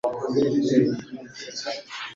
ari inshingano basabwa n’imyizerere yabo;